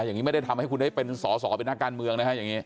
อย่างนี้ไม่ได้ทำให้คุณได้เป็นสอสอเป็นนักการเมืองนะฮะอย่างนี้